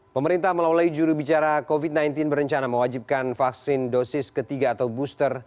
pemerintah melalui jurubicara covid sembilan belas berencana mewajibkan vaksin dosis ketiga atau booster